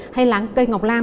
hay lá cây ngọc lam